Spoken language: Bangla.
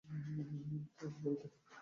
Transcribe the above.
তা আর বলতে।